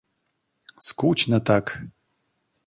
Скучно так